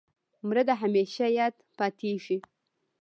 مړه د همېشه یاد پاتېږي